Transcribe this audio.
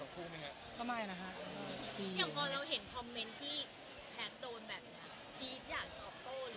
พีชอยากตอบโต้